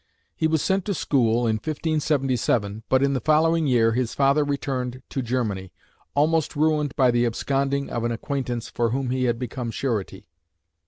He was sent to school in 1577, but in the following year his father returned to Germany, almost ruined by the absconding of an acquaintance for whom he had become surety.